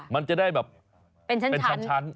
มันจะได้แบบเป็นชั้น